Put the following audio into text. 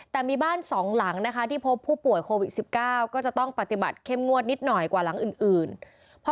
แต่มีบ้าน๒หลังนะคะที่พบผู้ป่วยโควิด๑๙ก็จะต้องปฏิบัติเข้มงวดนิดหน่อยกว่าหลังอื่น